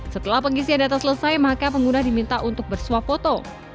setelah pengisian data selesai maka pengguna diminta untuk bersuap foto